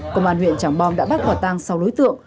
công an huyện trắng bom đã bắt quả tăng sáu đối tượng